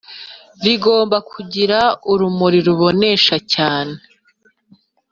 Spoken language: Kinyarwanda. rigomba kugira urumuri rubonesha cyane